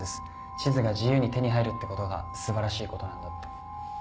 地図が自由に手に入るってことが素晴らしいことなんだって。